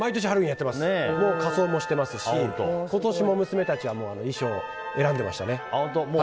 仮装もしてますしもう今年も娘たちは衣装を選んでましたね。